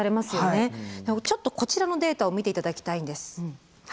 ちょっとこちらのデータを見て頂きたいんです。